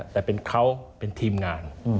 แต่เป็นเขาเป็นทีมงาน